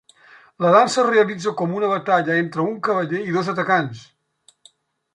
La dansa es realitza com una batalla entre un cavaller i dos atacants.